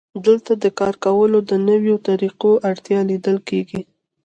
دلته د کار کولو د نویو طریقو اړتیا لیدل کېږي